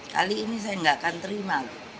kali ini saya nggak akan terima